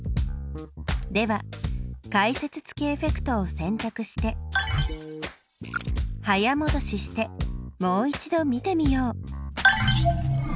では解説付きエフェクトをせんたくして早もどししてもう一度見てみよう。